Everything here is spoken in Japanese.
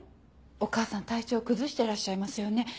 お母さん体調崩してらっしゃいますよね。